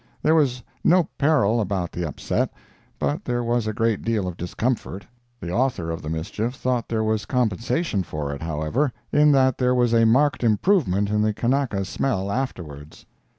There was no peril about the upset, but there was a very great deal of discomfort. The author of the mischief thought there was compensation for it, however, in that there was a marked improvement in the Kanaka's smell afterwards.